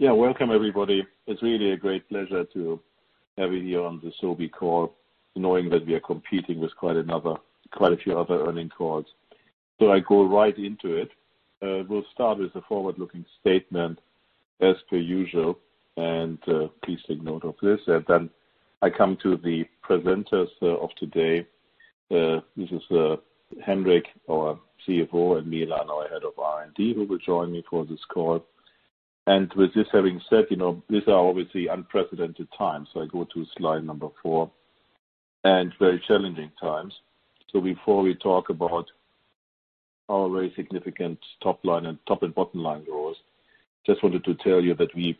Yeah. Welcome everybody. It's really a great pleasure to have you here on the Sobi call, knowing that we are competing with quite a few other earning calls. I go right into it. We'll start with a forward-looking statement as per usual. Please take note of this. And then I come to the presenters of today. This is Henrik, our CFO, and Milan, our Head of R&D, who will join me for this call. With this having said, these are obviously unprecedented times. I go to slide number four. Very challenging times. Before we talk about our very significant top and bottom line growth, just wanted to tell you that we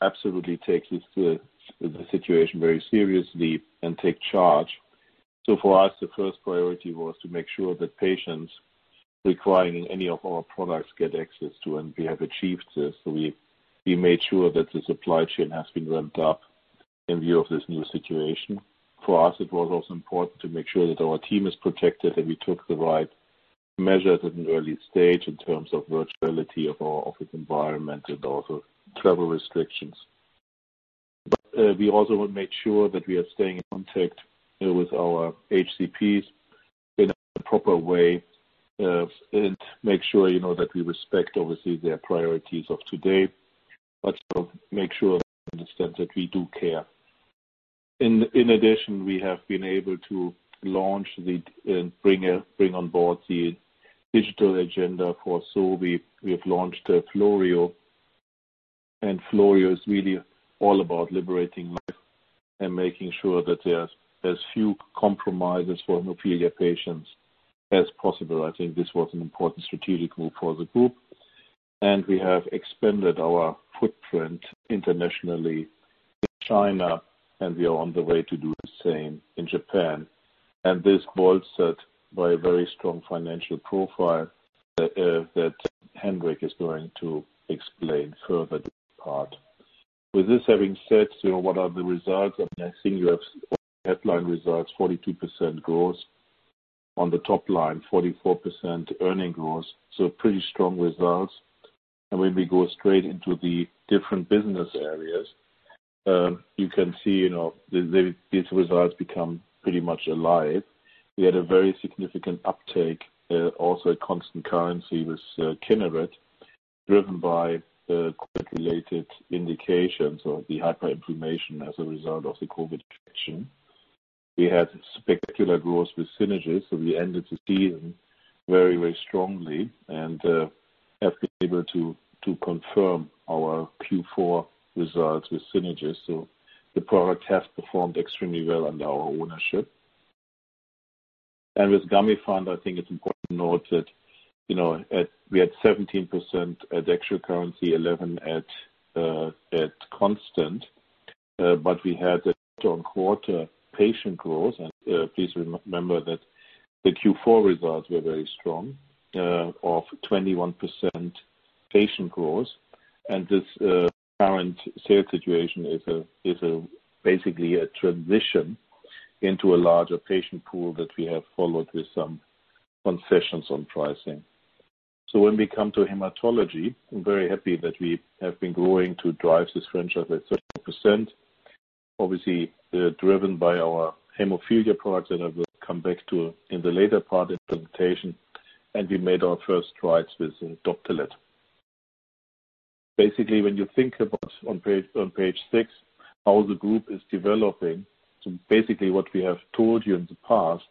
absolutely take the situation very seriously and take charge. For us, the first priority was to make sure that patients requiring any of our products get access to, and we have achieved this. We made sure that the supply chain has been ramped up in view of this new situation. For us, it was also important to make sure that our team is protected, and we took the right measures at an early stage in terms of virtuality of our office environment and also travel restrictions. We also want to make sure that we are staying in contact with our HCPs in a proper way and make sure that we respect, obviously, their priorities of today, but also make sure they understand that we do care. In addition, we have been able to launch and bring on board the digital agenda for Sobi. We have launched Florio, and Florio is really all about liberating life and making sure that there are as few compromises for hemophilia patients as possible. I think this was an important strategic move for the group. And we have expanded our footprint internationally with China, and we are on the way to do the same in Japan. This bolsters by a very strong financial profile that Henrik is going to explain further this part. With this having said, what are the results? I think you have headline results, 42% growth on the top line, 44% earning growth. Pretty strong results. When we go straight into the different business areas, you can see these results become pretty much alive. We had a very significant uptake, also at constant currency with Kineret, driven by COVID-related indications of the hyperinflammation as a result of the COVID-19 infection. We had spectacular growth with Synagis, so we ended the season very strongly and have been able to confirm our Q4 results with Synagis. The product has performed extremely well under our ownership. With Gamifant, I think it is important to note that we had 17% at actual currency, 11% at constant. We had a strong quarter patient growth. Please remember that the Q4 results were very strong of 21% patient growth. This current sales situation is basically a transition into a larger patient pool that we have followed with some concessions on pricing. So when we come to hematology, I am very happy that we have been growing to drive this franchise at 30%. Obviously, driven by our hemophilia products, and I will come back to in the later part of the presentation. We made our first strides with Doptelet. Basically, when you think about on page six how the group is developing, basically what we have told you in the past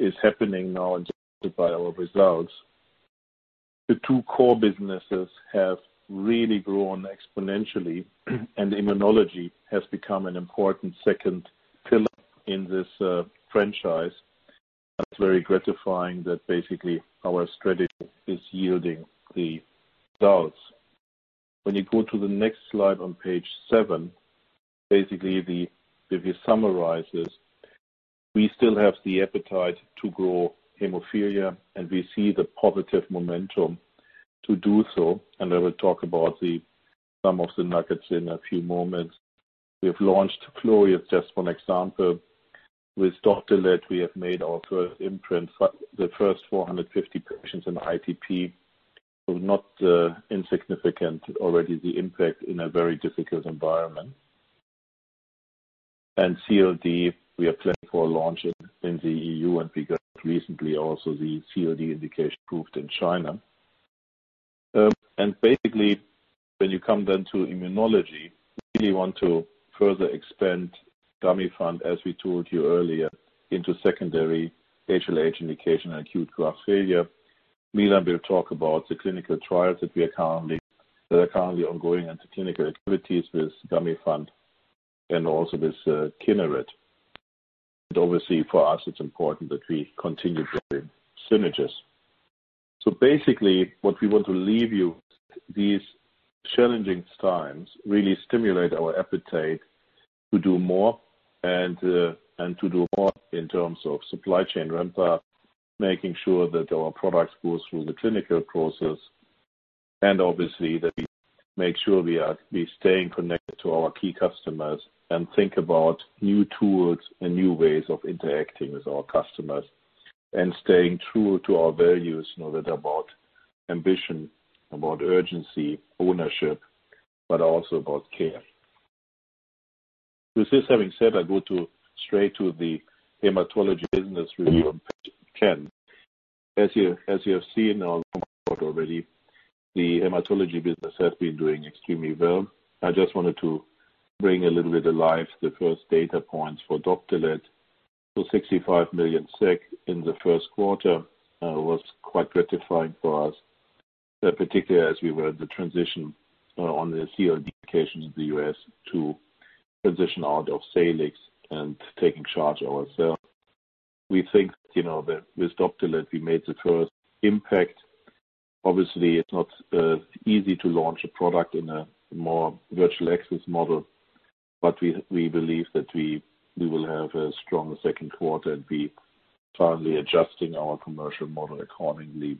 is happening now and justified by our results. The two core businesses have really grown exponentially, and immunology has become an important second pillar in this franchise. That's very gratifying that basically our strategy is yielding the results. When you go to the next slide on page seven, basically, if you summarize this, we still have the appetite to grow haemophilia, and we see the positive momentum to do so. I will talk about some of the nuggets in a few moments. We have launched Florio, just one example. With Doptelet, we have made our first imprint, the first 450 patients in ITP. Not insignificant already the impact in a very difficult environment. CLD, we are planning for launching in the EU and we got recently also the CLD indication approved in China. Basically, when you come then to immunology, we really want to further expand Gamifant, as we told you earlier, into secondary HLH indication and acute graft failure. Milan will talk about the clinical trials that are currently ongoing and the clinical activities with Gamifant and also with Kineret. Obviously, for us, it's important that we continue driving Synagis. Basically, what we want to leave you with these challenging times really stimulate our appetite to do more and to do more in terms of supply chain ramp-up, making sure that our products go through the clinical process, and obviously that we make sure we are staying connected to our key customers and think about new tools and new ways of interacting with our customers. Staying true to our values, whether about ambition, about urgency, ownership, but also about care. With this having said, I go straight to the hematology business review on page 10. As you have seen on the report already, the hematology business has been doing extremely well. I just wanted to bring a little bit alive the first data points for Doptelet to 65 million SEK in the Q1 was quite gratifying for us. Particularly as we were the transition on the CLD indications in the U.S. to transition out of Cellerix and taking charge ourselves. We think that with Doptelet we made the first impact. Obviously, it's not easy to launch a product in a more virtual access model, but we believe that we will have a stronger Q2 and be finally adjusting our commercial model accordingly.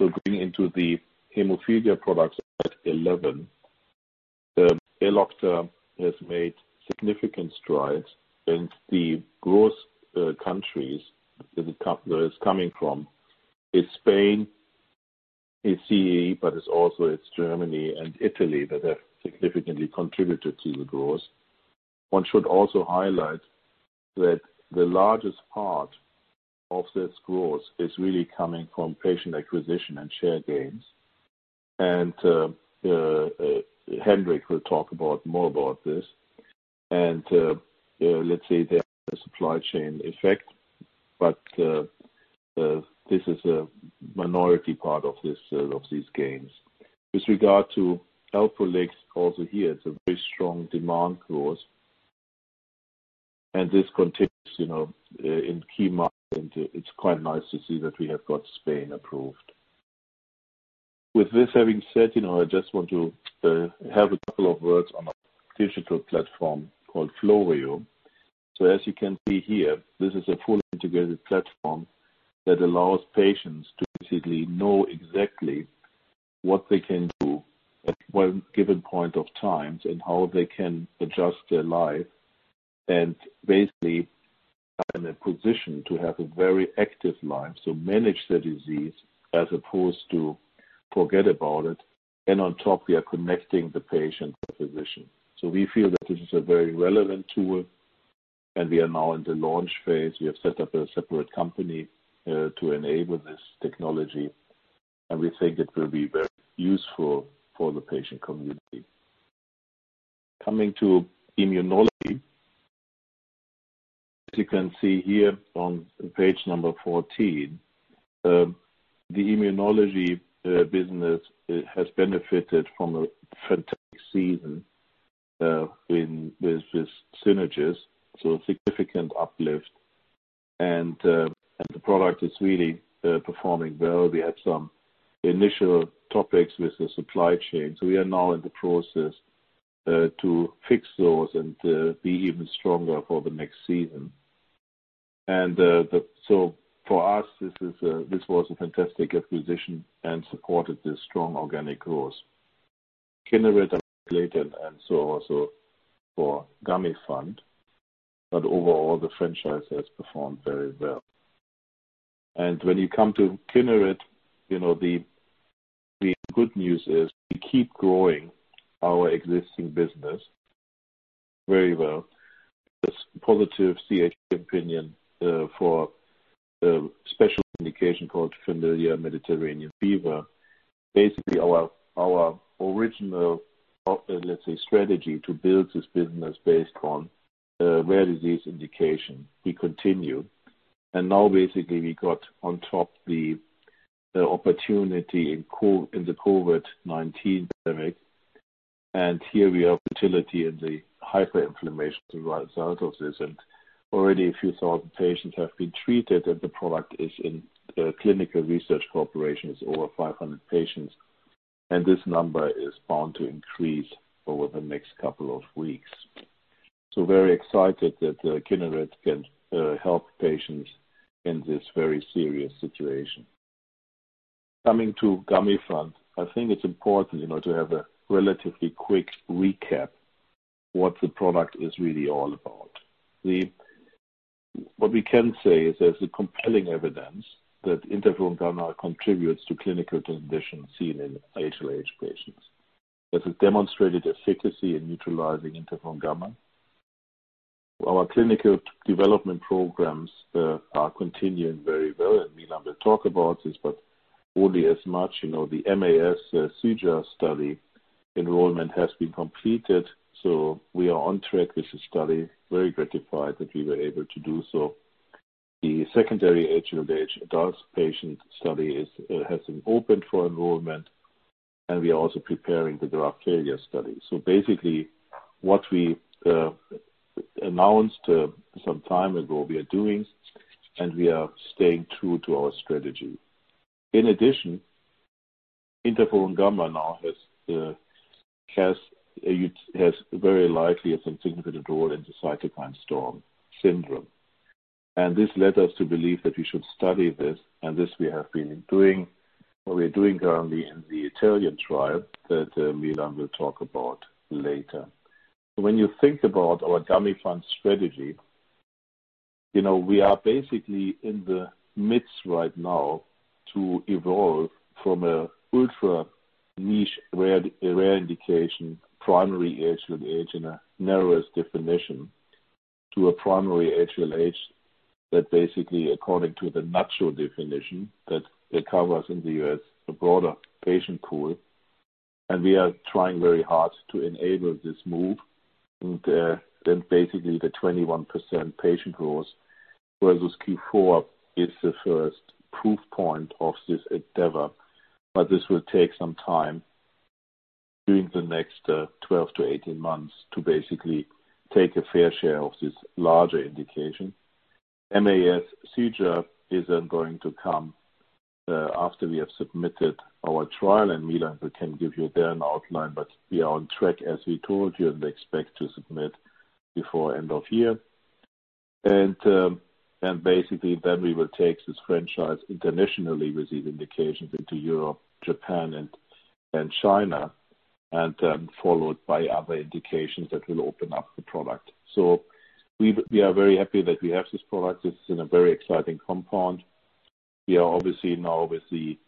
Going into the hemophilia products at 11. Elocta has made significant strides in the growth countries that it's coming from is Spain, is CE. It's also Germany and Italy that have significantly contributed to the growth. One should also highlight that the largest part of this growth is really coming from patient acquisition and share gains. And Henrik will talk more about this. Let's say there is a supply chain effect, but this is a minority part of these gains. With regard to Alprolix, also here it's a very strong demand growth. This continues in key markets. It's quite nice to see that we have got Spain approved. With this having said, I just want to have a couple of words on our digital platform called Florio. As you can see here, this is a fully integrated platform that allows patients to basically know exactly what they can do at one given point of times and how they can adjust their life and basically are in a position to have a very active life. Manage their disease as opposed to forget about it. And on top, we are connecting the patient to physician. We feel that this is a very relevant tool and we are now in the launch phase. We have set up a separate company to enable this technology, and we think it will be very useful for the patient community. Coming to immunology. As you can see here on page number 14, the immunology business has benefited from a fantastic season with Synagis. Significant uplift. And the product is really performing well. We had some initial topics with the supply chain. We are now in the process to fix those and be even stronger for the next season. And so for us this was a fantastic acquisition and supported this strong organic growth. Kineret also for Gamifant. Overall, the franchise has performed very well. When you come to Kineret the good news is we keep growing our existing business very well. This positive CHMP opinion for special indication called familial Mediterranean fever. Basically, our original, let's say, strategy to build this business based on rare disease indication we continue. Now basically we got on top the opportunity in the COVID-19 pandemic. And here the opportunity in the hyperinflammation rhinosinusitis and already a few thousand patients have been treated and the product is in clinical research cooperation is over 500 patients, and this number is bound to increase over the next couple of weeks. So very excited that Kineret can help patients in this very serious situation. Coming to Gamifant, I think it's important to have a relatively quick recap what the product is really all about. What we can say is there's a compelling evidence that interferon gamma contributes to clinical conditions seen in HLH patients. There's a demonstrated efficacy in neutralizing interferon gamma. Our clinical development programs are continuing very well, and Milan will talk about this, but only as much the MAS in sJIA study enrollment has been completed. So we are on track with the study, very gratified that we were able to do so. The secondary HLH adult patient study has been opened for enrollment and we are also preparing the graft failure study. Basically what we announced some time ago, we are doing, and we are staying true to our strategy. In addition, interferon gamma now has very likely a significant role in the cytokine storm syndrome. This led us to believe that we should study this, and this we have been doing or we are doing currently in the Italian trial that Milan will talk about later. When you think about our Gamifant strategy, we are basically in the midst right now to evolve from an ultra-niche, rare indication primary HLH in a narrowest definition to a primary HLH that basically according to the natural definition that it covers in the U.S. a broader patient pool, and we are trying very hard to enable this move. And then basically the 21% patient growth versus Q4 is the first proof point of this endeavor. This will take some time during the next 12 to 18 months to basically take a fair share of this larger indication. MAS sJIA is going to come after we have submitted our trial, and Milan can give you there an outline, but we are on track, as we told you, and expect to submit before end of year. And basically then we will take this franchise internationally with these indications into Europe, Japan, and China, followed by other indications that will open up the product. So we are very happy that we have this product. This is in a very exciting compound. We are obviously now with the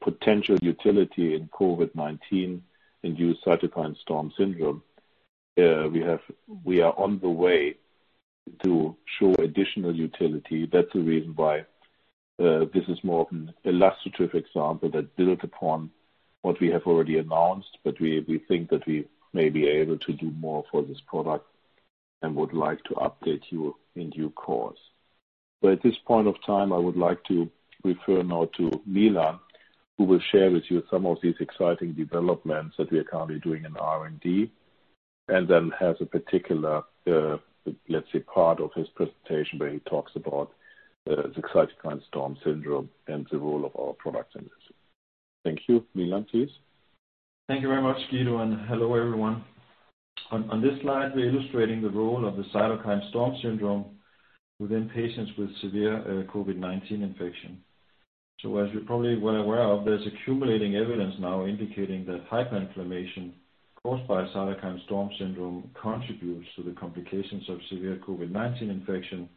potential utility in COVID-19 induced cytokine storm syndrome. We are on the way to show additional utility. That's the reason why this is more of an illustrative example that build upon what we have already announced. We think that we may be able to do more for this product and would like to update you in due course. At this point of time, I would like to refer now to Milan, who will share with you some of these exciting developments that we are currently doing in R&D, and then has a particular, let's say, part of his presentation where he talks about the cytokine storm syndrome and the role of our products in this. Thank you. Milan, please. Thank you very much, Guido. Hello, everyone. On this slide, we are illustrating the role of the cytokine storm syndrome within patients with severe COVID-19 infection. As you're probably well aware of, there's accumulating evidence now indicating that hyperinflammation caused by cytokine storm syndrome contributes to the complications of severe COVID-19 infection,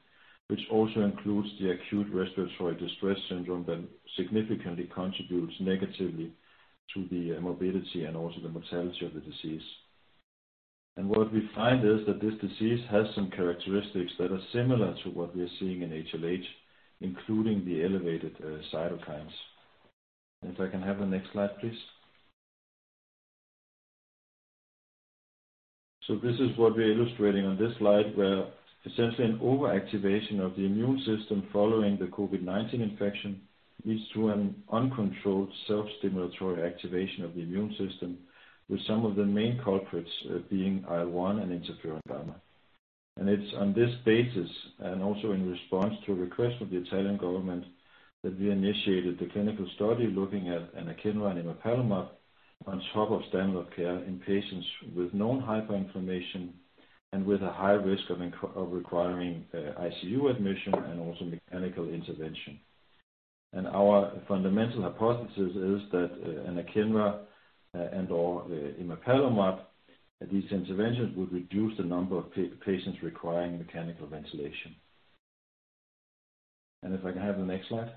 which also includes the acute respiratory distress syndrome that significantly contributes negatively to the morbidity and also the mortality of the disease. What we find is that this disease has some characteristics that are similar to what we are seeing in HLH, including the elevated cytokines. If I can have the next slide, please. This is what we are illustrating on this slide, where essentially an overactivation of the immune system following the COVID-19 infection leads to an uncontrolled self-stimulatory activation of the immune system, with some of the main culprits being IL-one and interferon gamma. It's on this basis, and also in response to a request of the Italian government, that we initiated the clinical study looking at anakinra and emapalumab on top of standard care in patients with known hyperinflammation and with a high risk of requiring ICU admission and also mechanical intervention. Our fundamental hypothesis is that anakinra and/or emapalumab, these interventions would reduce the number of patients requiring mechanical ventilation. And if I can have the next slide.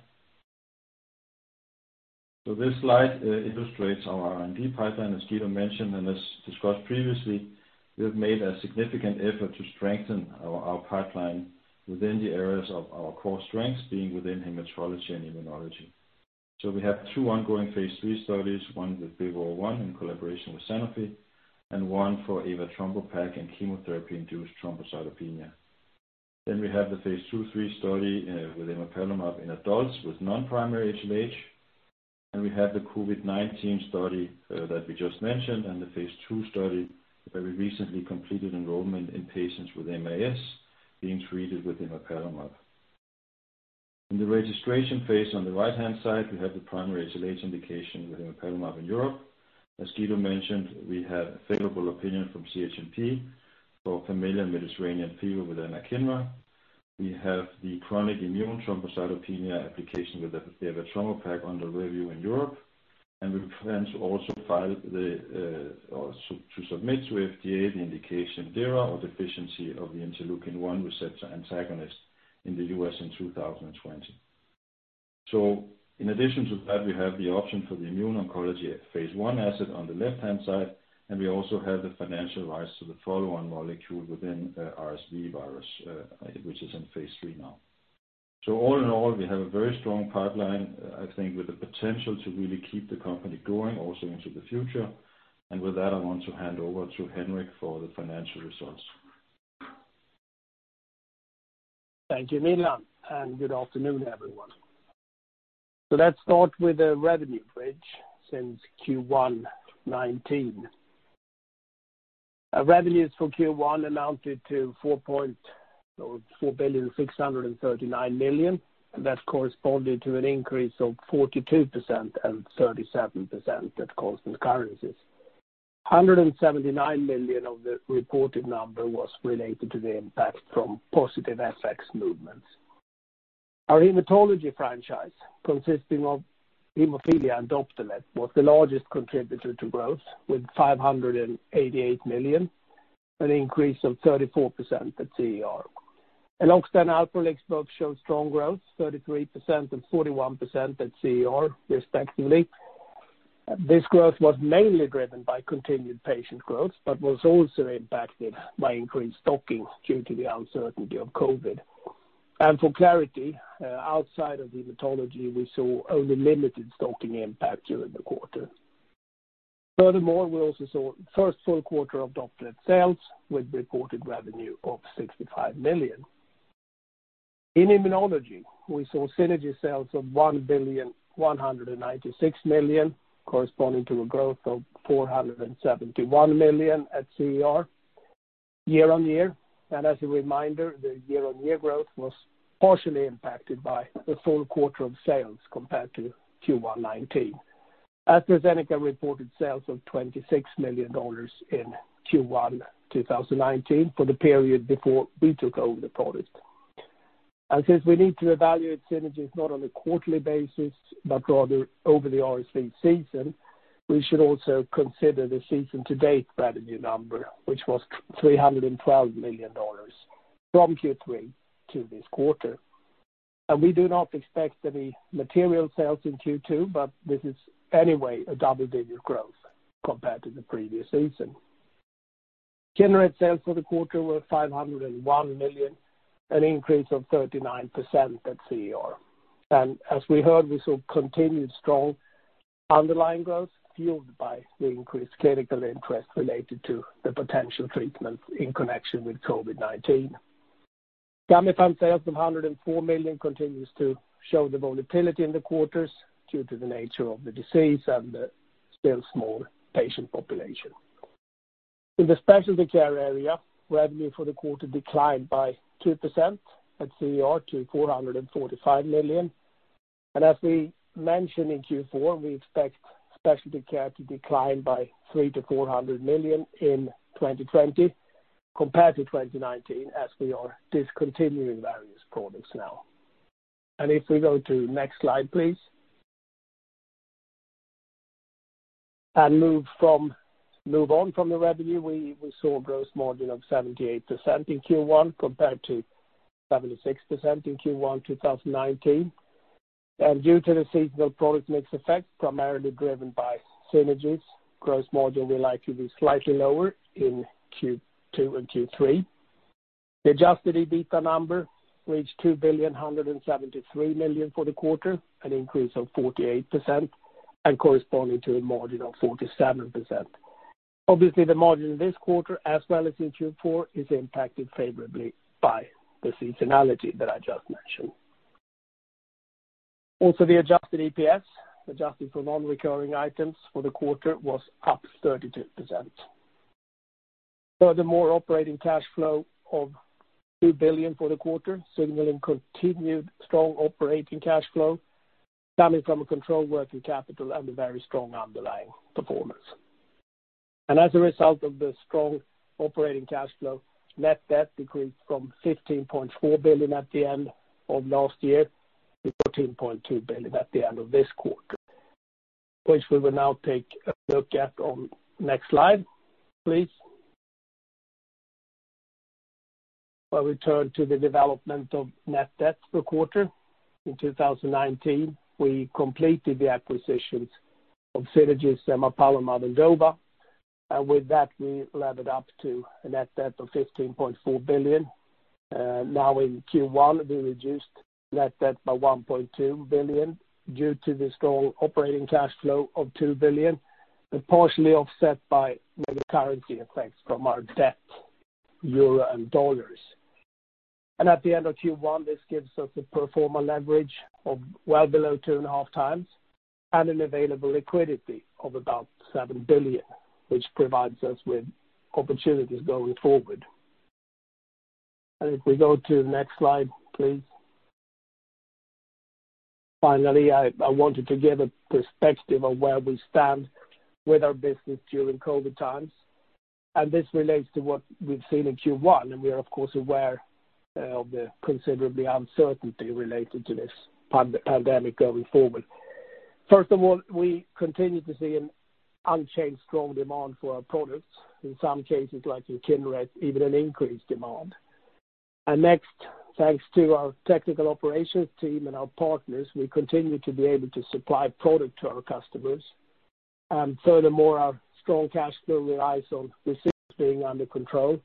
This slide illustrates our R&D pipeline, as Guido mentioned and as discussed previously. We have made a significant effort to strengthen our pipeline within the areas of our core strengths being within hematology and immunology. We have two ongoing Phase III studies, one with BIVV001 in collaboration with Sanofi, and one for avatrombopag in chemotherapy-induced thrombocytopenia. We have the Phase II/III study with emapalumab in adults with non-primary HLH, and we have the COVID-19 study that we just mentioned, and the Phase II study where we recently completed enrollment in patients with MAS being treated with emapalumab. In the registration phase on the right-hand side, we have the primary HLH indication with emapalumab in Europe. As Guido mentioned, we have a favorable opinion from CHMP for familial Mediterranean fever with anakinra. We have the chronic immune thrombocytopenia application with avatrombopag under review in Europe. We plan to also submit to FDA the indication DIRA or deficiency of the interleukin-one receptor antagonist in the U.S. in 2020. So in addition to that, we have the option for the immuno-oncology Phase I asset on the left-hand side, and we also have the financial rights to the follow-on molecule within RSV virus, which is in Phase III now. All in all, we have a very strong pipeline, I think with the potential to really keep the company growing also into the future. With that, I want to hand over to Henrik for the financial results. Thank you, Milan, good afternoon, everyone. Let's start with the revenue bridge since Q1 2019. Revenues for Q1 amounted to 4.639 billion. That corresponded to an increase of 42% and 37% at constant currencies. 179 million of the reported number was related to the impact from positive FX movements. Our hematology franchise, consisting of hemophilia and Doptelet, was the largest contributor to growth with 588 million, an increase of 34% at CER. Elocta and Alprolix both showed strong growth, 33% and 41% at CER respectively. This growth was mainly driven by continued patient growth but was also impacted by increased stocking due to the uncertainty of COVID. For clarity, outside of hematology, we saw only limited stocking impact during the quarter. Furthermore, we also saw first full quarter of Doptelet sales with reported revenue of 65 million. In immunology, we saw Synagis sales of 1,196,000 corresponding to a growth of 471 million at CER year-on-year. As a reminder, the year-on-year growth was partially impacted by the full quarter of sales compared to Q1 2019. AstraZeneca reported sales of $26 million in Q1 2019 for the period before we took over the product. Since we need to evaluate Synagis not on a quarterly basis, but rather over the RSV season, we should also consider the season-to-date revenue number, which was SEK 312 million from Q3 to this quarter. We do not expect any material sales in Q2, this is anyway a double-digit growth compared to the previous season. Kineret sales for the quarter were 501 million, an increase of 39% at CER. As we heard, we saw continued strong underlying growth fueled by the increased clinical interest related to the potential treatment in connection with COVID-19. Gamifant sales of 104 million continues to show the volatility in the quarters due to the nature of the disease and the still small patient population. In the specialty care area, revenue for the quarter declined by 2% at CER to 445 million. As we mentioned in Q4, we expect specialty care to decline by 300 million to 400 million in 2020 compared to 2019 as we are discontinuing various products now. If we go to next slide, please. Move on from the revenue, we saw a gross margin of 78% in Q1 compared to 76% in Q1 2019. Due to the seasonal product mix effect, primarily driven by Synairgen's gross margin will likely be slightly lower in Q2 and Q3. The adjusted EBITDA number reached 2,173,000 for the quarter, an increase of 48% and corresponding to a margin of 47%. Obviously, the margin in this quarter, as well as in Q4, is impacted favorably by the seasonality that I just mentioned. And to the adjusted EPS, adjusted for non-recurring items for the quarter was up 32%. Furthermore, operating cash flow of 2 billion for the quarter, signaling continued strong operating cash flow coming from a controlled working capital and a very strong underlying performance. And as a result of the strong operating cash flow, net debt decreased from 15.4 billion at the end of last year to 14.2 billion at the end of this quarter, which we will now take a look at on next slide, please. I return to the development of net debt per quarter. In 2019, we completed the acquisitions of Synagis, Semoparm and Adova. And with that, we levered up to a net debt of 15.4 billion. In Q1, we reduced net debt by 1.2 billion due to the strong operating cash flow of 2 billion, partially offset by the currency effects from our debt, EUR and USD. At the end of Q1, this gives us a pro forma leverage of well below two point five times and an available liquidity of about 7 billion, which provides us with opportunities going forward. If we go to the next slide, please. Finally, I wanted to give a perspective of where we stand with our business during COVID-19 times. And this relates to what we've seen in Q1, and we are, of course, aware of the considerable uncertainty related to this pandemic going forward. First of all, we continue to see an unchanged strong demand for our products. In some cases, like in Kineret, even an increased demand. Next, thanks to our technical operations team and our partners, we continue to be able to supply product to our customers. Furthermore, our strong cash flow relies on receipts being under control,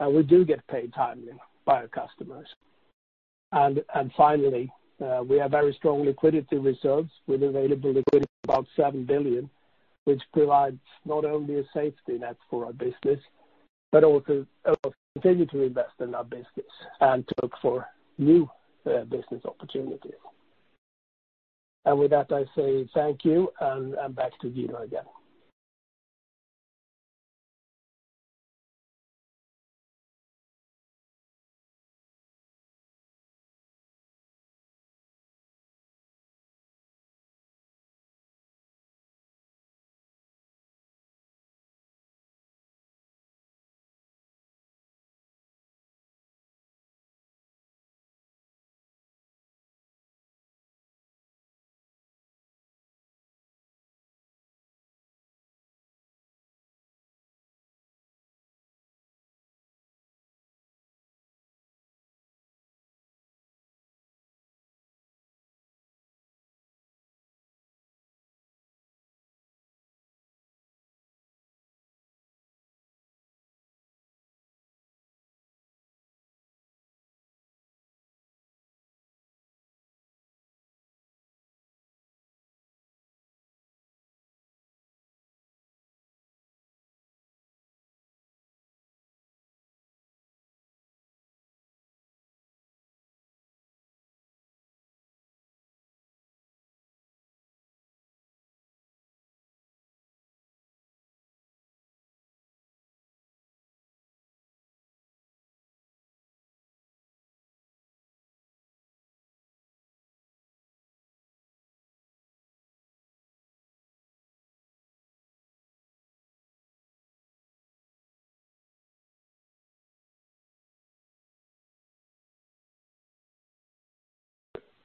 and we do get paid timely by our customers. And finally, we have very strong liquidity reserves with available liquidity of about 7 billion, which provides not only a safety net for our business, but also continue to invest in our business and to look for new business opportunities. With that, I say thank you and back to Guido again.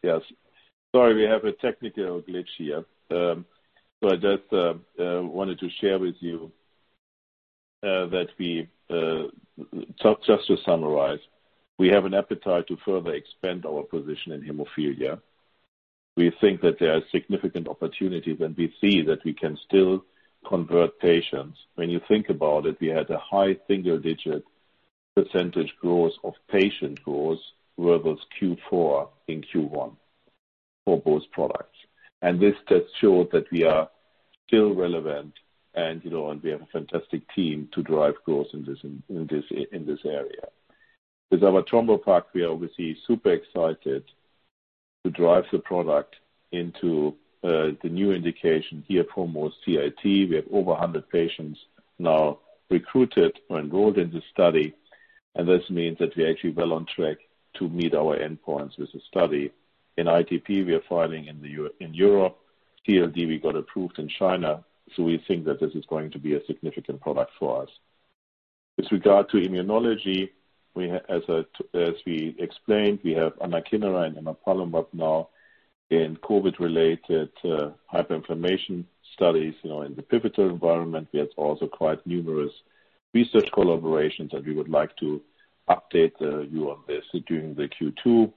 Yes. Sorry, we have a technical glitch here. But I just wanted to share with you that just to summarize, we have an appetite to further expand our position in hemophilia. We think that there are significant opportunities when we see that we can still convert patients. When you think about it, we had a high single-digit % growth of patient growth versus Q4 and Q1 for both products. This just showed that we are still relevant and we have a fantastic team to drive growth in this area. With our Doptelet, we are obviously super excited to drive the product into the new indication here, promo CIT. We have over 100 patients now recruited or enrolled in the study, this means that we're actually well on track to meet our endpoints with the study. In ITP, we are filing in Europe. CLD, we got approved in China. We think that this is going to be a significant product for us. With regard to immunology, as we explained, we have anakinra and emapalumab now in COVID-19-related hyperinflammation studies in the pivotal environment. We have also quite numerous research collaborations that we would like to update you on this during the Q2.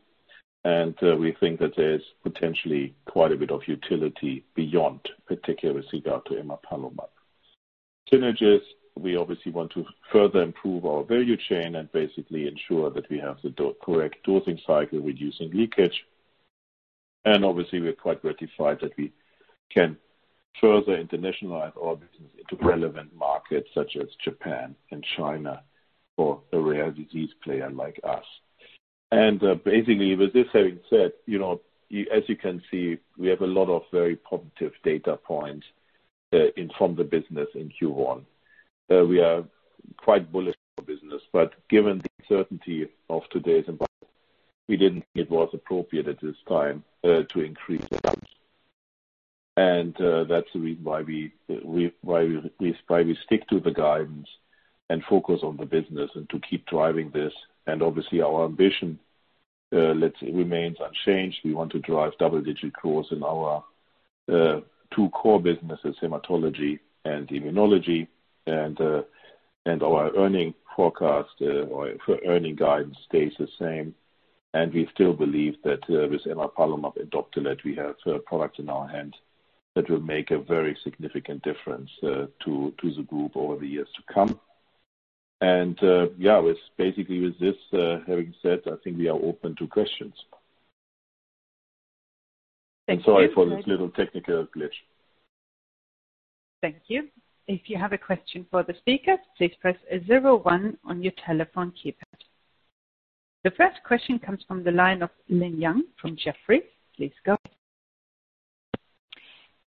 We think that there's potentially quite a bit of utility beyond, particularly with regard to emapalumab. Synergies, we obviously want to further improve our value chain and basically ensure that we have the correct dosing cycle, reducing leakage. Obviously we're quite gratified that we can further internationalize our business into relevant markets such as Japan and China for a rare disease player like us. And basically with this having said, as you can see, we have a lot of very positive data points from the business in Q1. We are quite bullish for business, given the uncertainty of today's environment, we didn't think it was appropriate at this time to increase the guidance. And that's the reason why we stick to the guidance and focus on the business and to keep driving this. Obviously our ambition remains unchanged. We want to drive double-digit growth in our two core businesses, hematology and immunology. And our earning forecast or earning guidance stays the same. And we still believe that with emapalumab and Doptelet, we have a product in our hand that will make a very significant difference to the group over the years to come. With this having said, I think we are open to questions. Thank you. I'm sorry for this little technical glitch. Thank you. If you have a question for the speaker, please press zero one on your telephone keypad. The first question comes from the line of Eun Yang from Jefferies. Please go.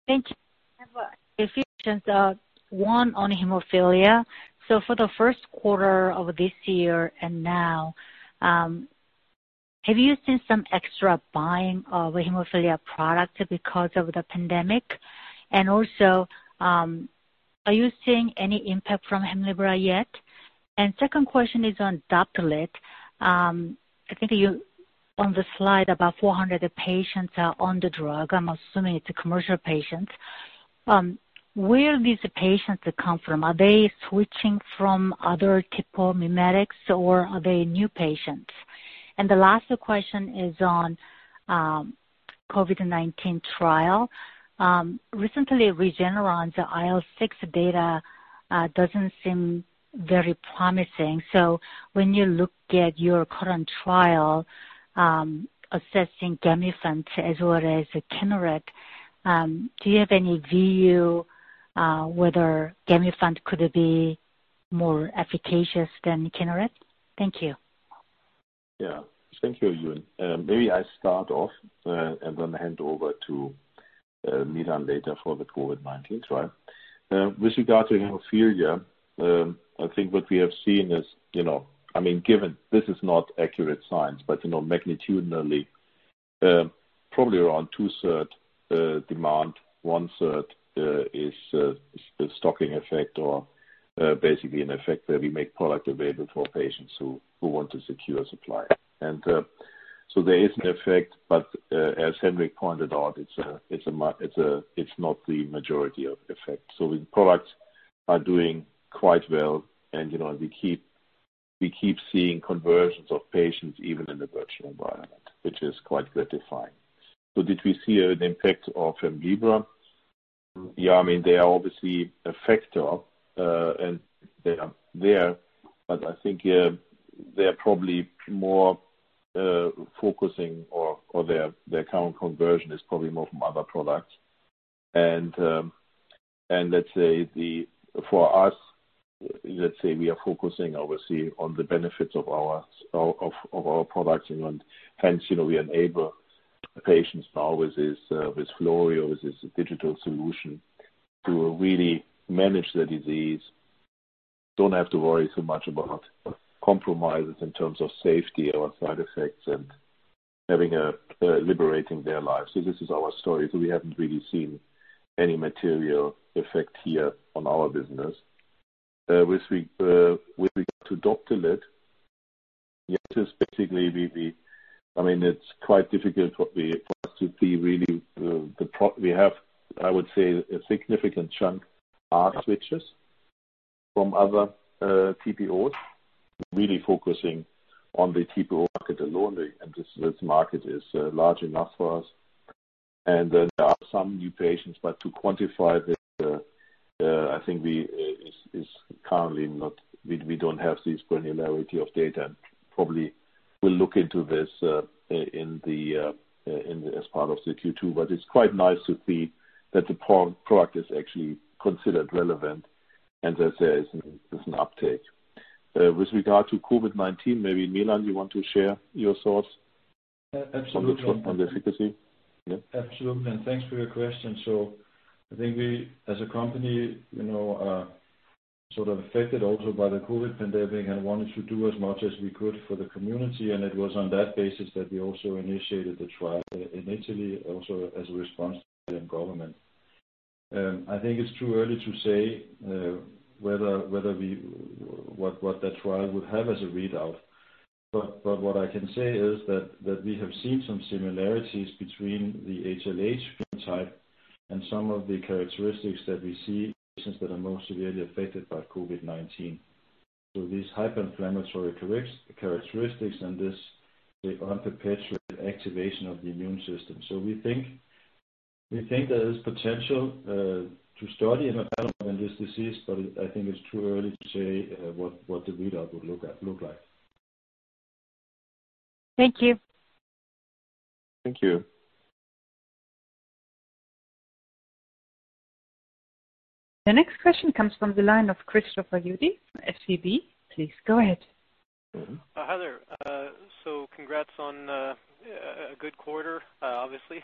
Thank you. I have a few questions. One on hemophilia. For the Q1 of this year and now, have you seen some extra buying of hemophilia products because of the COVID-19 pandemic? And also are you seeing any impact from Hemlibra yet? Second question is on Doptelet. I think on the slide about 400 patients are on the drug. I'm assuming it's commercial patients. Where these patients come from, are they switching from other TPO mimetics or are they new patients? And the last question is on COVID-19 trial. Recently, Regeneron's IL-six data doesn't seem very promising. When you look at your current trial, assessing Gamifant as well as Kineret, do you have any view whether Gamifant could be more efficacious than Kineret? Thank you. Thank you, Eun. Maybe I start off and then hand over to Milan later for the COVID-19 trial. With regard to hemophilia, I think what we have seen is, given this is not accurate science, but magnitudinally. Probably around two-third demand. One-third is the stocking effect or basically an effect where we make product available for patients who want to secure supply. There is an effect, but as Henrik pointed out, it's not the majority of effect. So the products are doing quite well, and we keep seeing conversions of patients even in the virtual environment, which is quite gratifying. Did we see an impact of Hemlibra? They are obviously a factor, and they are there, but I think they are probably more focusing or their current conversion is probably more from other products. And let's say for us, we are focusing obviously on the benefits of our products. Hence, we enable patients now with this Florio, with this digital solution, to really manage their disease, don't have to worry so much about compromises in terms of safety or side effects and liberating their lives. This is our story. We haven't really seen any material effect here on our business. With regard to Doptelet, yes, it's quite difficult for us to see really the pro we have, I would say a significant chunk are switchers from other TPOs, really focusing on the TPO market alone. This market is large enough for us. And then there are some new patients, but to quantify this, I think we don't have this granularity of data and probably we'll look into this as part of the Q2. It's quite nice to see that the product is actually considered relevant and that there's an uptake. With regard to COVID-19, maybe Milan, you want to share your thoughts? Absolutely on the efficacy? Yeah. Absolutely. Thanks for your question. I think we, as a company, sort of affected also by the COVID pandemic and wanted to do as much as we could for the community. It was on that basis that we also initiated the trial in Italy also as a response to the Italian government. I think it's too early to say what that trial would have as a readout. What I can say is that we have seen some similarities between the HLH genotype and some of the characteristics that we see in patients that are most severely affected by COVID-19. These hyperinflammatory characteristics and this unperpetrated activation of the immune system. We think there is potential to study in the development of this disease, but I think it's too early to say what the readout would look like. Thank you. Thank you. The next question comes from the line of Christopher Uhde from SEB. Please go ahead. Hi there. Congrats on a good quarter, obviously.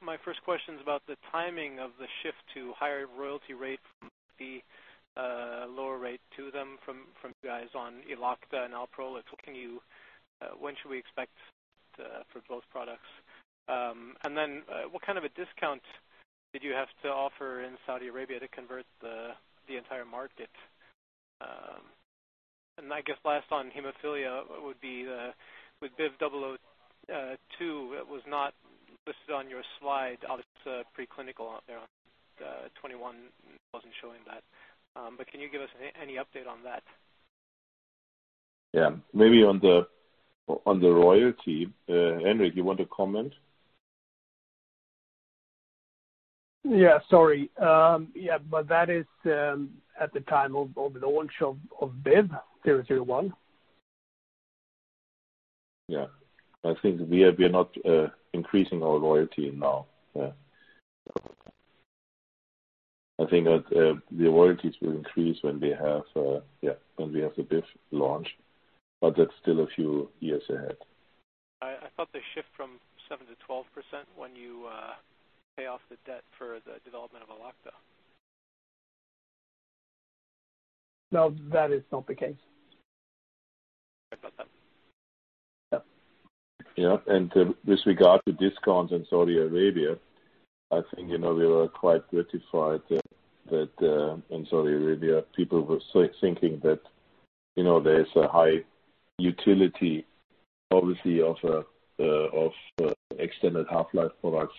My first question is about the timing of the shift to higher royalty rate from the lower rate to them from you guys on Elocta and Alprolix. When should we expect for both products? What kind of a discount did you have to offer in Saudi Arabia to convert the entire market? I guess last on hemophilia would be with BIVV002. It was not listed on your slide. Obviously, preclinical there on the 2021 wasn't showing that. Can you give us any update on that? Yeah. Maybe on the royalty, Henrik, you want to comment? Yeah, sorry. Yeah, but that is at the time of launch of BIVV001. Yeah. I think we are not increasing our royalty now. Yeah. I think that the royalties will increase when we have the BIV launch, but that's still a few years ahead. I thought they shift from seven to 12% when you pay off the debt for the development of Elocta. No, that is not the case. Sorry about that. Yeah. With regard to discounts in Saudi Arabia, I think we were quite gratified that in Saudi Arabia, people were thinking that there is a high utility obviously of extended half-life products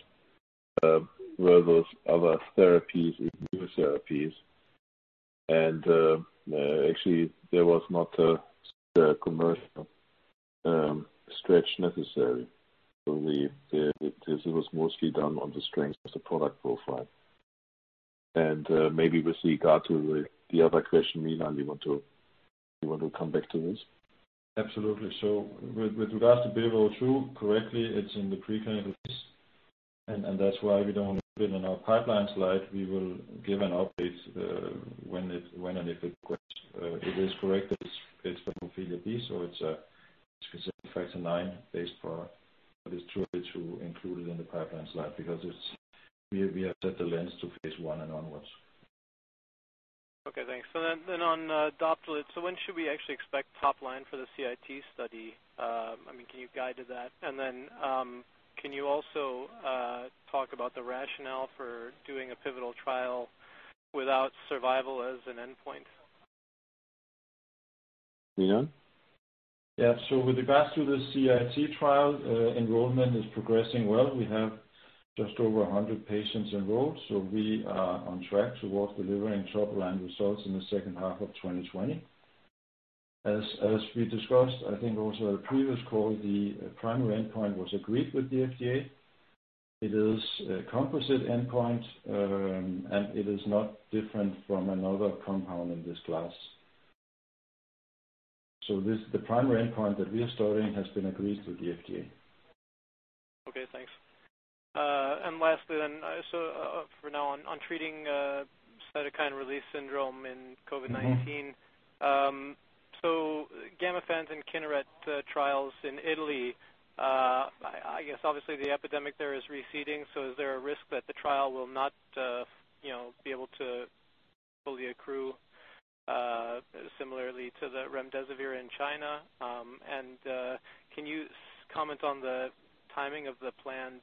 versus other therapies with newer therapies. Actually, there was not a commercial stretch necessary. But it was mostly done on the strength of the product profile. And maybe with regard to the other question, Milan, you want to come back to this? Absolutely. With regard to BIVV002, correctly, it's in the preclinical phase, and that's why we don't put it in our pipeline slide. We will give an update when and if it progress. It is correct that it's for hemophilia B, it's a specific factor IX phase for this II/III included in the pipeline slide because we have set the lens to Phase I and onwards. Okay, thanks. On Doptelet. When should we actually expect top line for the CIT study? Can you guide to that? Can you also talk about the rationale for doing a pivotal trial without survival as an endpoint? Milan? With regards to the CIT trial, enrollment is progressing well. We have just over 100 patients enrolled. We are on track towards delivering top line results in the H2 of 2020. As we discussed, I think also at a previous call, the primary endpoint was agreed with the FDA. It is a composite endpoint. It is not different from another compound in this class. The primary endpoint that we are studying has been agreed with the FDA. Okay, thanks. Lastly, for now on treating cytokine release syndrome in COVID-19. Uh so Gamifant and Kineret trials in Italy, I guess obviously the epidemic there is receding, is there a risk that the trial will not be able to fully accrue similarly to the remdesivir in China? And can you comment on the timing of the planned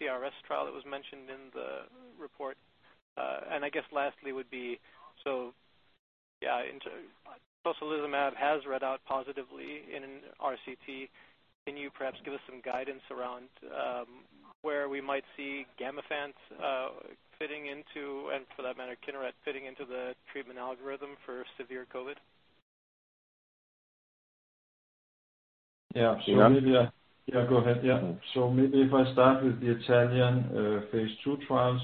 CRS trial that was mentioned in the report? I guess lastly would be, tocilizumab has read out positively in RCT. Can you perhaps give us some guidance around where we might see Gamifant fitting into, and for that matter, Kineret fitting into the treatment algorithm for severe COVID-19? Yeah. Milan? Yeah, go ahead. Yeah. Maybe if I start with the Italian Phase II trial.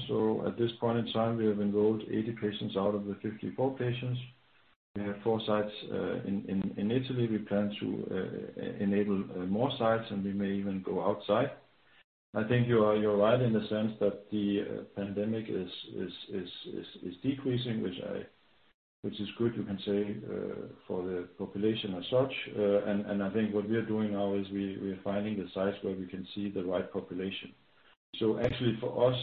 At this point in time, we have enrolled 80 patients out of the 54 patients. We have four sites in Italy. We plan to enable more sites, and we may even go outside. I think you are right in the sense that the pandemic is decreasing, which is good, you can say, for the population as such. I think what we are doing now is we are finding the sites where we can see the right population. Actually for us,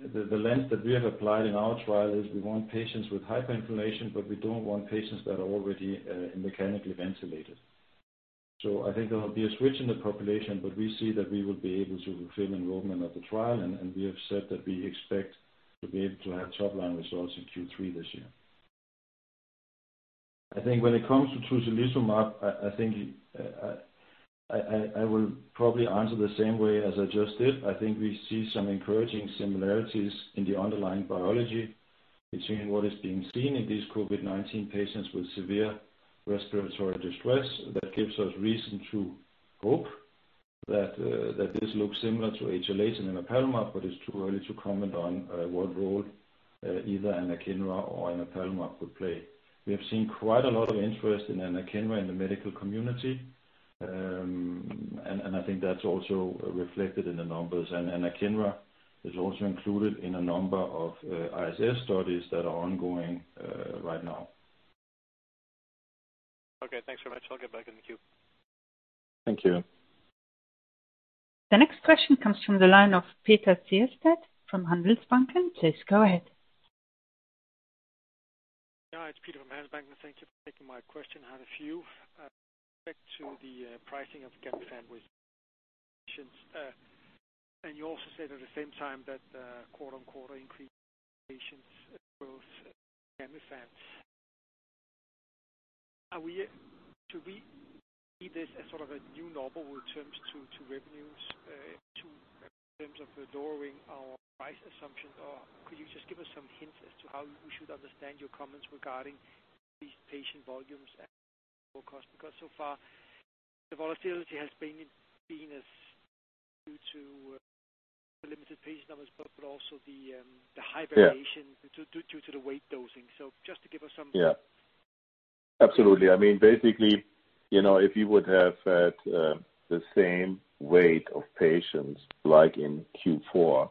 the lens that we have applied in our trial is we want patients with hyperinflammation, but we don't want patients that are already mechanically ventilated. I think there will be a switch in the population, but we see that we will be able to fulfill enrollment of the trial, and we have said that we expect to be able to have top line results in Q3 this year. I think when it comes to tocilizumab, I will probably answer the same way as I just did. I think we see some encouraging similarities in the underlying biology between what is being seen in these COVID-19 patients with severe respiratory distress. That gives us reason to hope that this looks similar to HLH and emapalumab, but it's too early to comment on what role either anakinra or emapalumab could play. We have seen quite a lot of interest in anakinra in the medical community, and I think that's also reflected in the numbers. anakinra is also included in a number of ISS studies that are ongoing right now. Okay, thanks very much. I'll get back in the queue. Thank you. The next question comes from the line of Peter Sehested from Handelsbanken. Please go ahead. Yeah, it's Peter from Handelsbanken, thank you for taking my question. I had a few. Back to the pricing of Gamifant with patients. You also said at the same time that quarter-over-quarter increase patients growth Gamifant. Should we see this as sort of a new normal in terms to revenues, in terms of lowering our price assumption, or could you just give us some hints as to how we should understand your comments regarding these patient volumes and low cost? So far the volatility has been due to the limited patient numbers, but also the high variation- Yeah Due to the weight dosing. So just give us some details. Yeah, absolutely. I mean, basically, you know, if you would have had the same weight of patients like in Q4,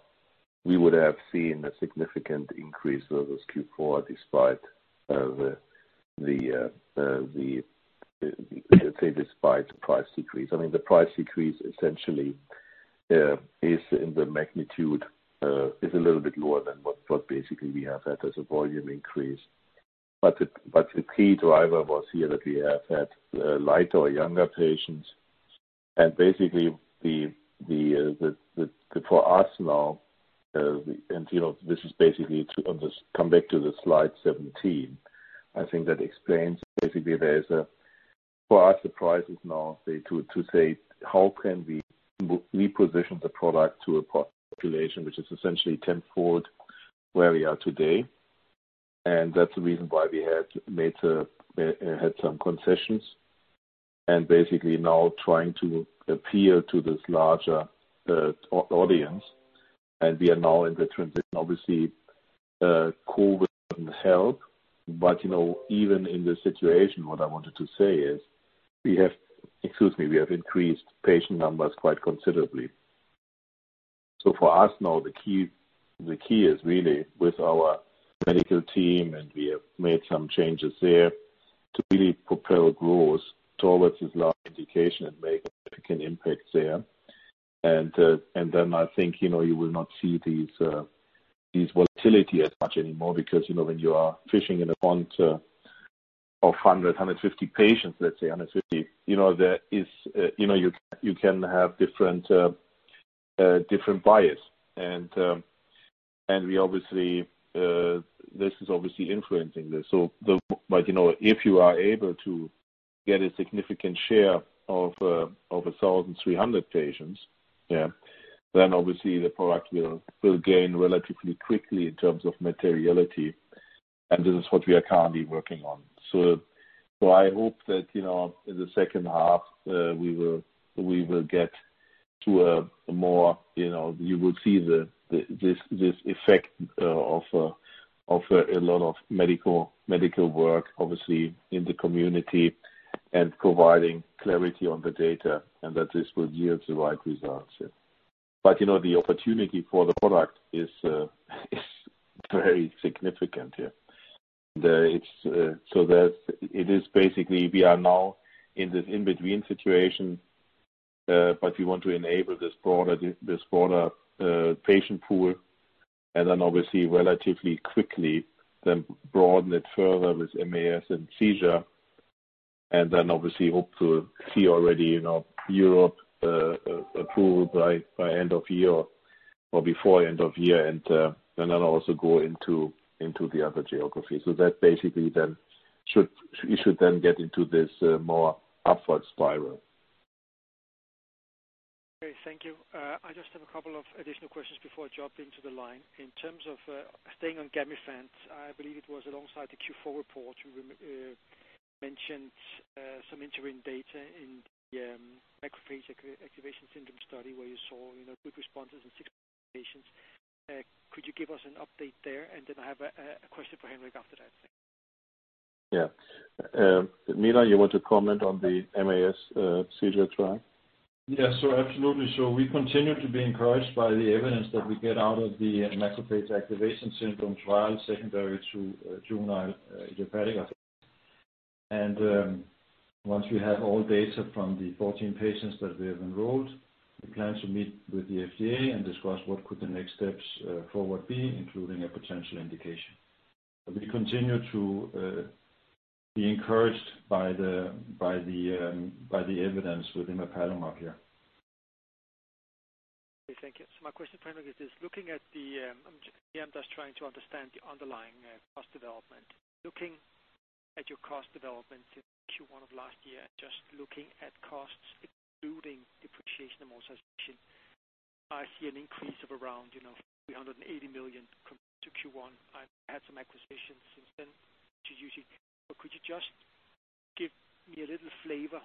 we would have seen a significant increase versus Q4 despite the price decrease. The price decrease essentially is in the magnitude, is a little bit lower than what we have had as a volume increase. But the key driver was here that we have had lighter or younger patients for us now, this is to come back to the slide 17. I think that explains, for us the price is now to say how can we reposition the product to a population which is essentially 10-fold where we are today. That's the reason why we had some concessions now trying to appeal to this larger audience. We are now in the transition. Obviously, COVID doesn't help, but even in this situation, what I wanted to say is we have increased patient numbers quite considerably. For us now, the key is really with our medical team, and we have made some changes there to really propel growth towards this large indication and make a significant impact there. And then I think you will not see this volatility as much anymore because when you are fishing in a pond of 100, 150 patients, let's say 150, you can have different bias. This is obviously influencing this. If you are able to get a significant share of 1,300 patients, then obviously the product will gain relatively quickly in terms of materiality, and this is what we are currently working on. I hope that in the H2, you will see this effect of a lot of medical work, obviously, in the community and providing clarity on the data, and that this will yield the right results. But on the opportunity for the product is very significant. It is basically we are now in this in-between situation, but we want to enable this broader patient pool and then obviously relatively quickly then broaden it further with MAS and sJIA, and then obviously hope to see already Europe approved by end of year or before end of year, and then also go into the other geographies. That basically then should get into this more upward spiral. Okay, thank you. I just have a couple of additional questions before I jump into the line. In terms of staying on Gamifant, I believe it was alongside the Q4 report, you mentioned some interim data in the macrophage activation syndrome study where you saw good responses in six patients. Could you give us an update there? I have a question for Henrik after that. Yeah. Milan, you want to comment on the MAS sJIA trial? Absolutely. We continue to be encouraged by the evidence that we get out of the macrophage activation syndrome trial secondary to juvenile idiopathic arthritis. Once we have all data from the 14 patients that we have enrolled, we plan to meet with the FDA and discuss what could the next steps forward be, including a potential indication. But we continue to be encouraged by the evidence with emapalumab here. Okay, thank you. My question for Henrik is this, I'm just trying to understand the underlying cost development. Looking at your cost development in Q1 of last year, just looking at costs excluding depreciation amortization, I see an increase of around 380 million compared to Q1. I've had some acquisitions since then, could you just give me a little flavor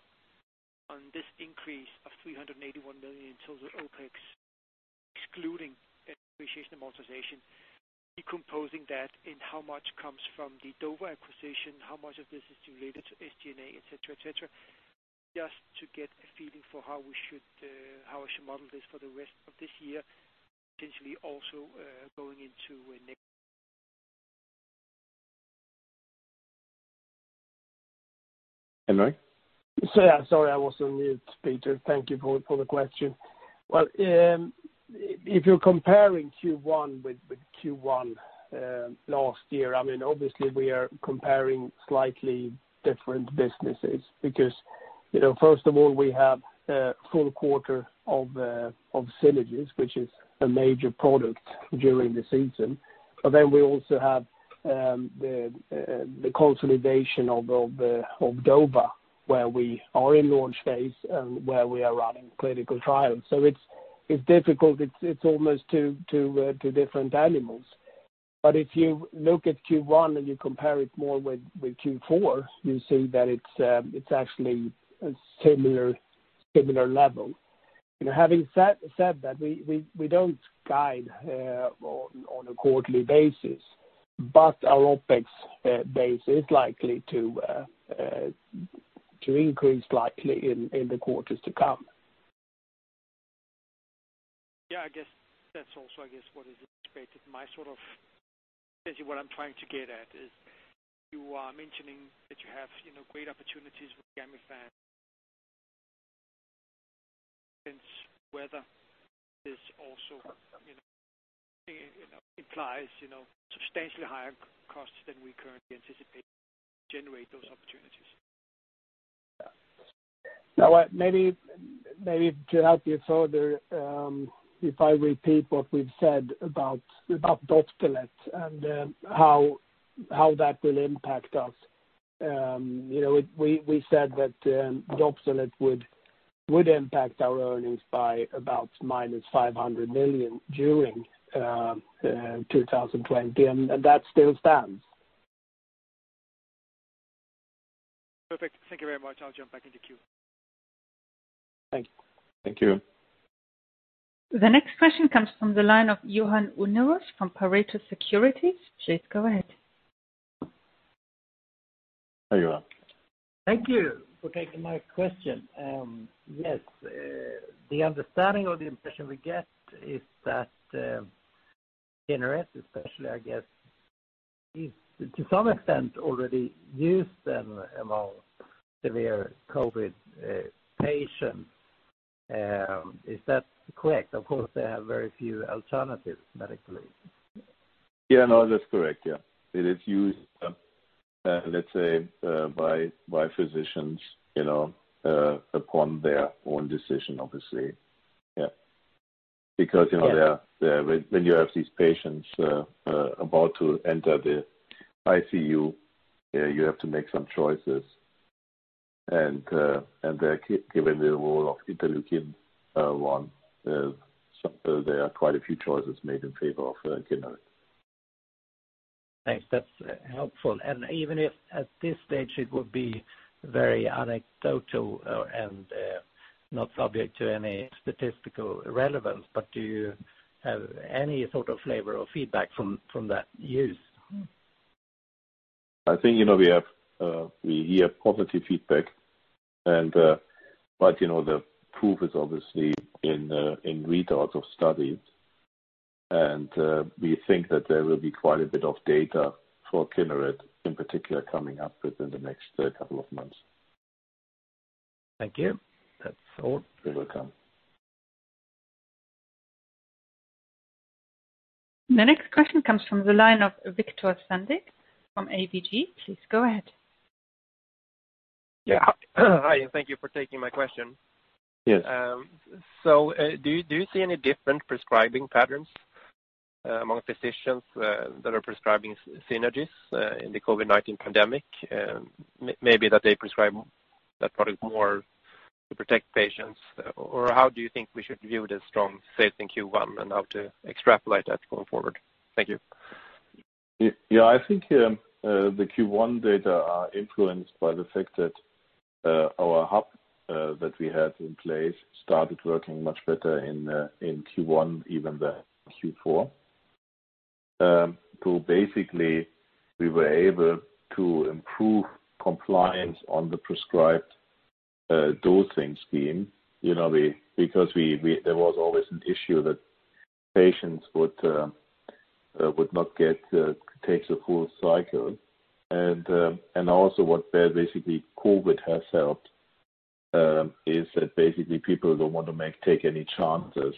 on this increase of 381 million in total OpEx, excluding depreciation amortization, decomposing that in how much comes from the Dova acquisition, how much of this is related to SG&A, et cetera. Just to get a feeling for how I should model this for the rest of this year, potentially also going into next- Henrik? Sorry, I was on mute, Peter. Thank you for the question. Well, if you're comparing Q1 with Q1 last year, obviously we are comparing slightly different businesses because first of all, we have a full quarter of Synagis which is a major product during the season. Then we also have the consolidation of Dova, where we are in launch phase and where we are running clinical trials. It's difficult. It's almost two different animals. If you look at Q1 and you compare it more with Q4, you see that it's actually a similar level. Having said that, we don't guide on a quarterly basis, but our OpEx base is likely to increase likely in the quarters to come. Yeah, I guess that's also what is expected. My sort of essentially what I'm trying to get at is you are mentioning that you have great opportunities with Gamifant. Whether this also implies substantially higher costs than we currently anticipate to generate those opportunities. Yeah. Maybe to help you further, if I repeat what we've said about Doptelet and how that will impact us. We said that Doptelet would impact our earnings by about minus 500 million during 2020, and that still stands. Perfect. Thank you very much. I'll jump back in the queue. Thank you. Thank you. The next question comes from the line of Johan Unnerus from Pareto Securities. Please go ahead. Hi, Johan. Thank you for taking my question. Yes. The understanding or the impression we get is that NRS, especially, I guess to some extent already used them among severe COVID-19 patients. Is that correct? Of course, they have very few alternatives medically. Yeah. No, that's correct. Yeah. It is used, let's say, by physicians upon their own decision, obviously. Yeah. When you have these patients about to enter the ICU, you have to make some choices. And given the role of interleukin one, there are quite a few choices made in favor of Kineret. Thanks. That's helpful. Even if at this stage it would be very anecdotal and not subject to any statistical relevance, but do you have any sort of flavor or feedback from that use? I think we hear positive feedback. And back on the proof is obviously in readouts of studies. We think that there will be quite a bit of data for Kineret, in particular, coming up within the next couple of months. Thank you. That's all. You're welcome. The next question comes from the line of Victor Sandstrom from ABG. Please go ahead. Yeah. Hi. Thank you for taking my question. Yes. Do you see any different prescribing patterns among physicians that are prescribing Synagis in the COVID-19 pandemic? Maybe that they prescribe that product more to protect patients? Or how do you think we should view the strong sales in Q1 and how to extrapolate that going forward? Thank you. I think the Q1 data are influenced by the fact that our hub that we had in place started working much better in Q1 even than Q4. Basically, we were able to improve compliance on the prescribed dosing scheme because there was always an issue that patients would not take the full cycle. And also what there COVID-19 has helped, is that basically people don't want to take any chances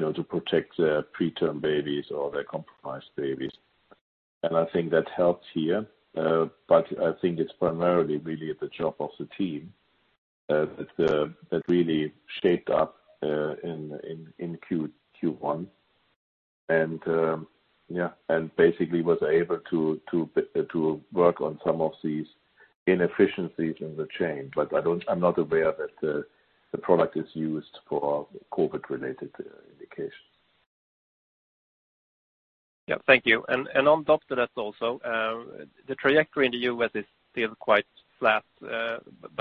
to protect their preterm babies or their compromised babies. And I think that helps here. But I think it's primarily really the job of the team that really shaped up in Q1 and basically was able to work on some of these inefficiencies in the chain. I'm not aware that the product is used for COVID-19 related indication. Yeah. Thank you. On Doptelet also, the trajectory in the U.S. is still quite flat.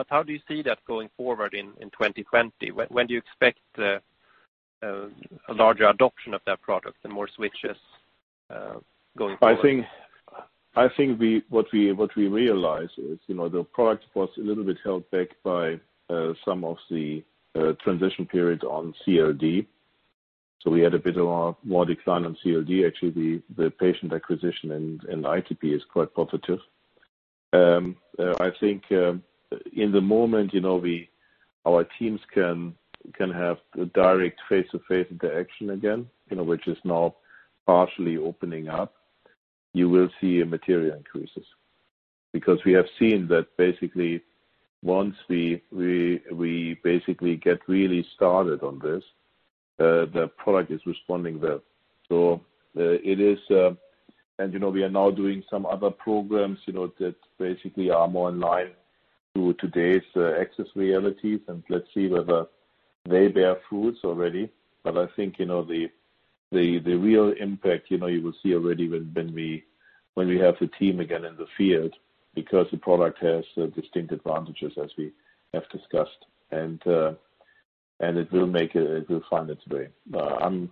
How do you see that going forward in 2020? When do you expect a larger adoption of that product and more switches going forward? I think what we realized is the product was a little bit held back by some of the transition period on CLD. We had a bit of a more decline on CLD. Actually, the patient acquisition in ITP is quite positive. I think in the moment our teams can have direct face-to-face interaction again which is now partially opening up, you will see a material increases. Because we have seen that basically once we basically get really started on this, the product is responding well. So it is, and you know, we are now doing some other programs that basically are more in line to today's access realities, and let's see whether they bear fruits already. But I think the real impact you will see already when we have the team again in the field because the product has distinct advantages as we have discussed. And it will find its way. Honestly,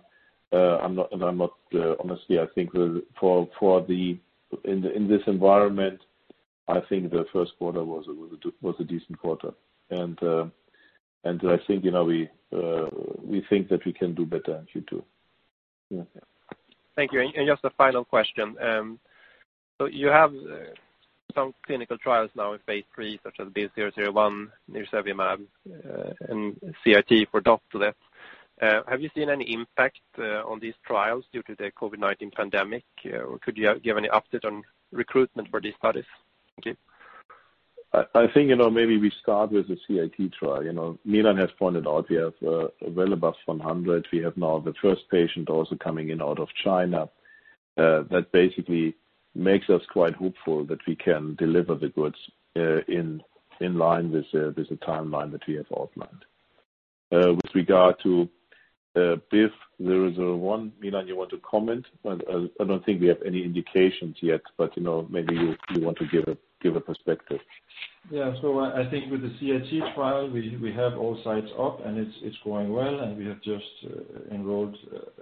I think in this environment, I think the Q1 was a decent quarter. We think that we can do better in Q2. Yeah. Thank you. Just a final question. You have some clinical trials now in Phase III such as BIVV001, nirsevimab and CIT for Doptelet. Have you seen any impact on these trials due to the COVID-19 pandemic? Could you give any update on recruitment for these studies? Thank you. I think maybe we start with the CIT trial. Milan has pointed out we have well above 100. We have now the first patient also coming in out of China. That basically makes us quite hopeful that we can deliver the goods in line with the timeline that we have outlined. With regard to BIVV001, Milan, you want to comment? I don't think we have any indications yet. Maybe you want to give a perspective. I think with the CIT trial, we have all sites up and it's going well, we have just enrolled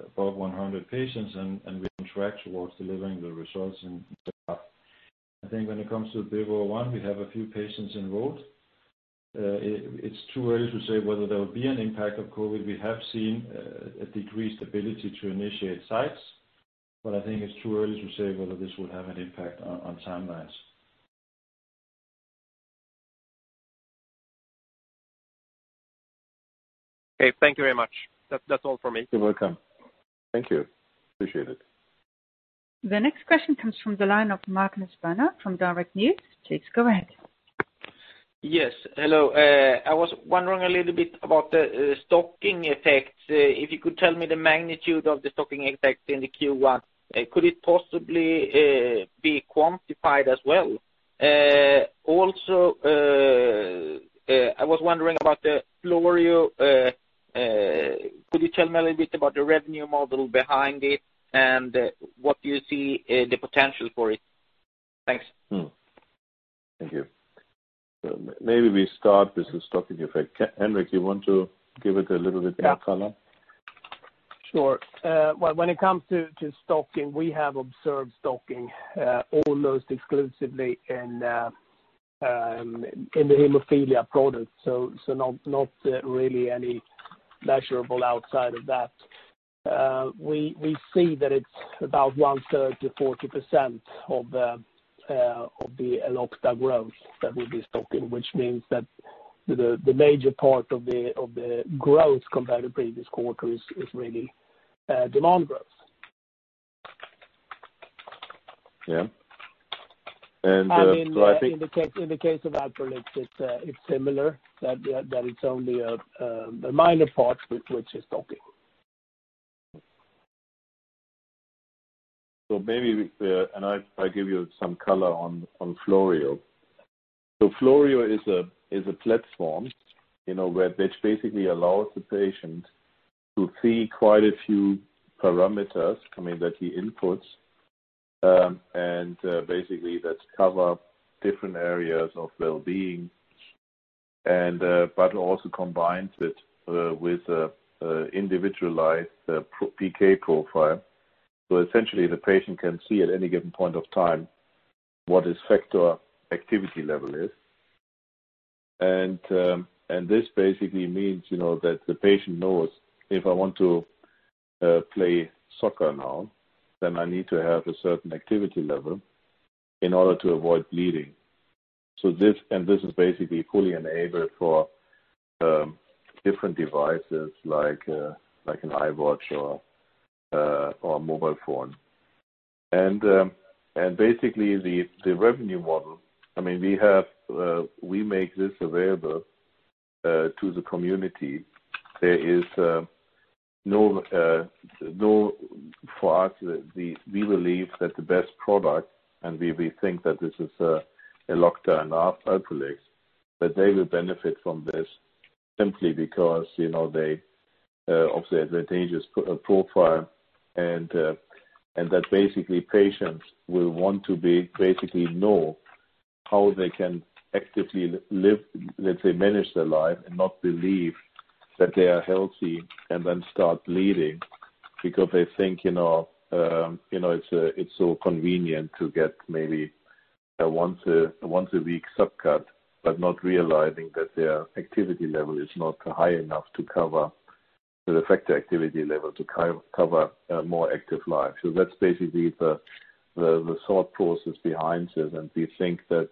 above 100 patients and we're on track towards delivering the results in the half. I think when it comes to BIVV001, we have a few patients enrolled. It's too early to say whether there will be an impact of COVID. We have seen a decreased ability to initiate sites, I think it's too early to say whether this will have an impact on timelines. Okay. Thank you very much. That's all from me. You're welcome. Thank you. Appreciate it. The next question comes from the line of Magnus Bernet from Direkt. Please go ahead. Yes, hello. I was wondering a little bit about the stocking effects. If you could tell me the magnitude of the stocking effects in the Q1. Could it possibly be quantified as well? Also I was wondering about the Florio. Could you tell me a little bit about the revenue model behind it and what you see the potential for it? Thanks. Thank you. Maybe we start with the stocking effect. Henrik, you want to give it a little bit more color? Sure. When it comes to stocking, we have observed stocking almost exclusively in the hemophilia products, so not really any measurable outside of that. We see that it's about one-third to 40% of the Elocta growth that will be stocking, which means that the major part of the growth compared to previous quarters is really demand growth. Yeah. In the case of Alprolix, it's similar that it's only a minor part which is stocking. Maybe, and I give you some color on Florio. Florio is a platform, where this basically allows the patient to see quite a few parameters, coming that he inputs, and basically that cover different areas of well-being but also combines it with a individualized PK profile. But essentially, the patient can see at any given point of time what his factor activity level is. This basically means that the patient knows if I want to play soccer now, then I need to have a certain activity level in order to avoid bleeding. This is basically fully enabled for different devices like an iWatch or a mobile phone. And basically the revenue model, we make this available to the community. For us, we believe that the best product, and we think that this is Elocta and Alprolix, that they will benefit from this simply because of their advantageous profile and that basically patients will want to basically know how they can actively live, let's say manage their life and not believe that they are healthy and then start bleeding because they think it's so convenient to get maybe a once a week subcut, but not realizing that their factor activity level is not high enough to cover the fact that activity level is high enough to cover a more active life. So lets say that's basically the thought process behind it, and we think that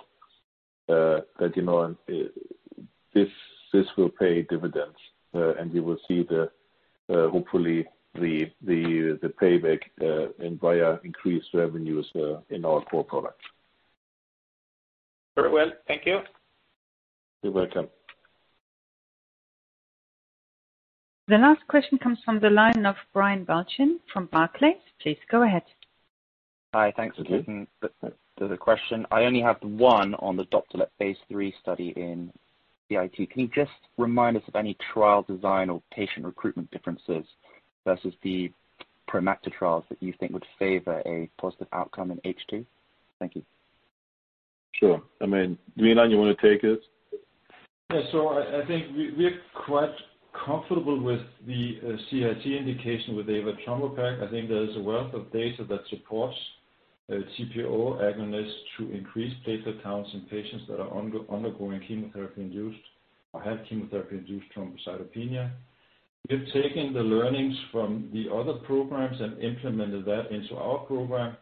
this will pay dividends. We will see hopefully the payback via increased revenues in our core products. Very well. Thank you. You're welcome. The last question comes from the line of Brian Balchin from Barclays. Please go ahead. Hi. Thanks for taking the question. I only have one on the Doptelet Phase III study in CIT. Can you just remind us of any trial design or patient recruitment differences versus the Promacta trials that you think would favor a positive outcome in H2? Thank you. Sure. Milan, you want to take it? Yeah. I think we're quite comfortable with the CIT indication with avatrombopag. I think there is a wealth of data that supports TPO agonist to increase platelet counts in patients that are undergoing chemotherapy-induced or have chemotherapy-induced thrombocytopenia. We have taken the learnings from the other programs and implemented that into our program.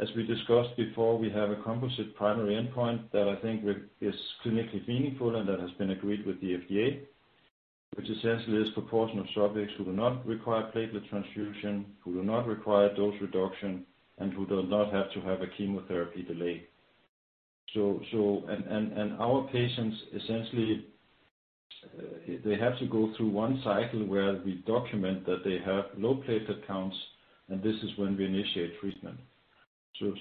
As we discussed before, we have a composite primary endpoint that I think is clinically meaningful, and that has been agreed with the FDA, which essentially is proportion of subjects who do not require platelet transfusion, who do not require dose reduction, and who do not have to have a chemotherapy delay. So and our patients, essentially, they have to go through one cycle where we document that they have low platelet counts, and this is when we initiate treatment.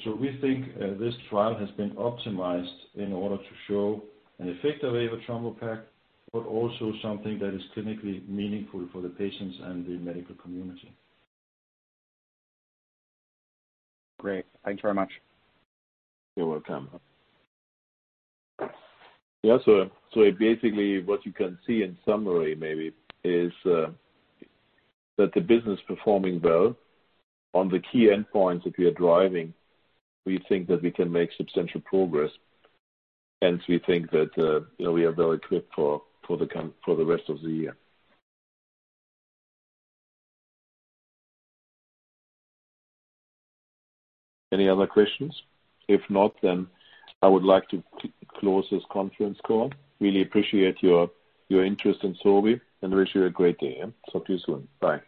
So we think this trial has been optimized in order to show an effect of avatrombopag, but also something that is clinically meaningful for the patients and the medical community. Great. Thank you very much. You're welcome. Basically what you can see in summary maybe is that the business performing well on the key endpoints that we are driving. We think that we can make substantial progress. And we think that we are very equipped for the rest of the year. Any other questions? If not, then I would like to close this conference call. Really appreciate your interest in Sobi. Wish you a great day. Talk to you soon. Bye.